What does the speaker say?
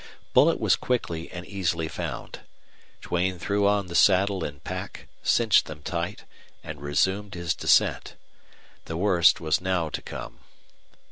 Bullet was quickly and easily found. Duane threw on the saddle and pack, cinched them tight, and resumed his descent. The worst was now to come.